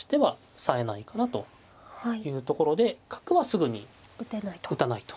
さえないかなというところで角はすぐに打たないと。